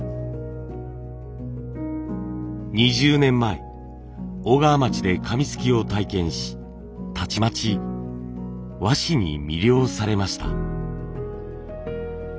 ２０年前小川町で紙すきを体験したちまち和紙に魅了されました。